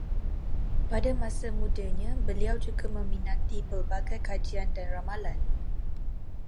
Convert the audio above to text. Pada masa mudanya, beliau juga meminati pelbagai kajian dan ramalan